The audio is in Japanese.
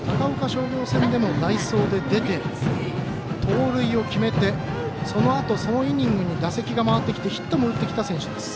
商業戦でも代走で出て盗塁を決めてそのあと、そのイニングに打席が回ってきてヒットも打った選手です。